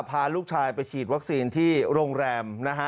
พาลูกชายไปฉีดวัคซีนที่โรงแรมนะฮะ